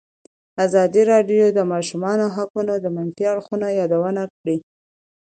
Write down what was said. ازادي راډیو د د ماشومانو حقونه د منفي اړخونو یادونه کړې.